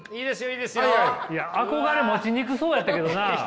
いや憧れ持ちにくそうやったけどな。